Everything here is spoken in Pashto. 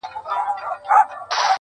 o شعار خو نه لرم له باده سره شپې نه كوم.